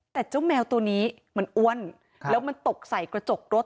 แต่เจ้าแมวตัวนี้มันอ้วนแล้วมันตกใส่กระจกรถ